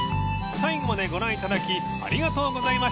［最後までご覧いただきありがとうございました］